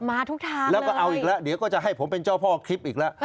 มาทุกทางแล้วก็เอาอีกแล้วเดี๋ยวก็จะให้ผมเป็นเจ้าพ่อคลิปอีกแล้ว